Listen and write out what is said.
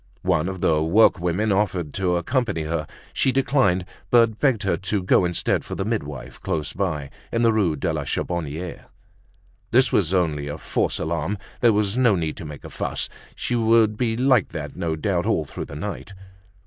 One of the workwomen offered to accompany her; she declined, but begged her to go instead for the midwife, close by, in the Rue de la Charbonniere. This was only a false alarm; there was no need to make a fuss. She would be like that no doubt all through the night.